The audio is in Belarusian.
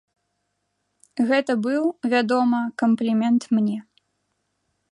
Гэта быў, вядома, камплімент мне.